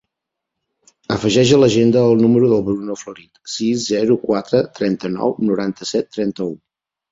Afegeix a l'agenda el número del Bruno Florit: sis, zero, quatre, trenta-nou, noranta-set, trenta-u.